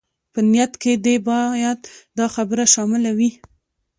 په نيت کې دې بايد دا خبره شامله وي.